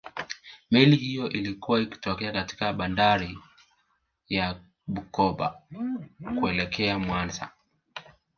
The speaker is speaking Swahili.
meli hiyo ilikuwa ikitokea katika bandari ya bukoba kuelekea mwanza